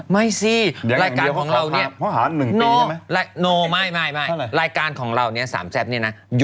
ไม่สิรายการของเราเนี้ย